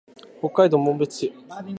北海道紋別市